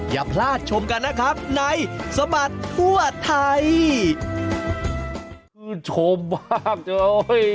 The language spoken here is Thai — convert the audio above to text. อย่าพลาดชมกันนะครับในสมัติทั่วไทย